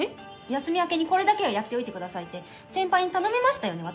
休み明けにこれだけはやっておいてくださいって先輩に頼みましたよね？